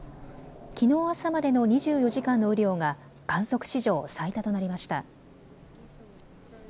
きのう朝までの２４時間の雨量が観測史上、最多となりました。